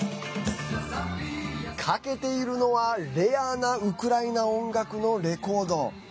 かけているのはレアなウクライナ音楽のレコード。